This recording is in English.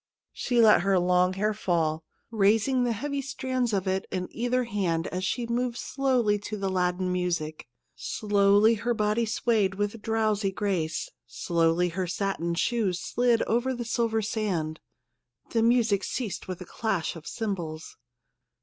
She let her long hair fall, raising the heavy strands of it in either hand as she moved slowly to the laden music. Slowly her body swayed with drowsy grace, slowly her satin shoes slid over the silver sand. The music ceased with a clash of cymbals.